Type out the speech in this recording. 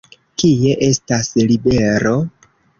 Kie estas Libero?